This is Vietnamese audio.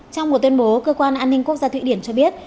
trong một tuyên bố cơ quan an ninh quốc gia thụy điển cho biết